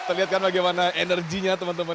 kita lihat kan bagaimana energinya teman teman